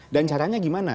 dan caranya gimana